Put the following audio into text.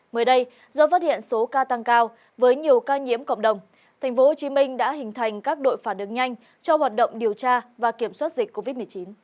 mới đây do phát hiện số ca tăng cao với nhiều ca nhiễm cộng đồng tp hcm đã hình thành các đội phản ứng nhanh cho hoạt động điều tra và kiểm soát dịch covid một mươi chín